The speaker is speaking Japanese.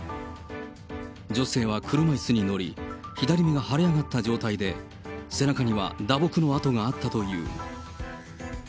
女性は車いすに乗り、左目がはれ上がった状態で、背中には打撲の痕があったという。